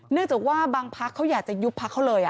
เนื่องจากว่าบางพักเขาอยากจะยุบพักเขาเลย